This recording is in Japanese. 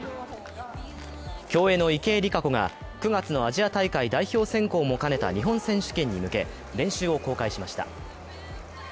競泳の池江璃花子が９月のアジア大会代表選考会も兼ねた日本選手権に向け、練習を公開しました。